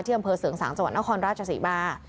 ที่อำเภอเสริงสางจังหวัดนครราชสิบา